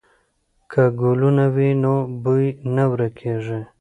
که ګلونه وي نو بوی نه ورکېږي.